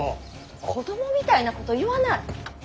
子供みたいなこと言わない。